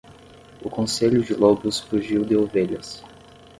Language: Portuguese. O conselho de lobos fugiu de ovelhas.